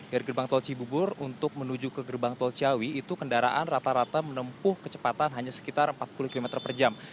dari gerbang tol cibubur untuk menuju ke gerbang tol ciawi itu kendaraan rata rata menempuh kecepatan hanya sekitar empat puluh km per jam